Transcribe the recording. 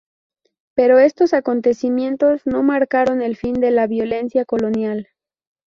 Pero estos acontecimientos no marcaron el fin de la violencia colonial.